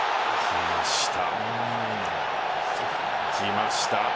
きました。